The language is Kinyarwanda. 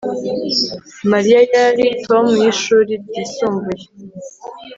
Mariya yari Tom yishuri ryisumbuye